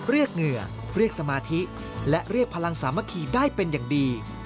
เหงื่อเรียกสมาธิและเรียกพลังสามัคคีได้เป็นอย่างดี